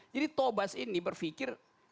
jadi thomas ini berfikir